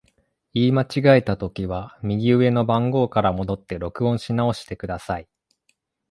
言い間違えたときは、右上の番号から戻って録音し直してください。